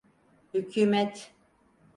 Hükümet.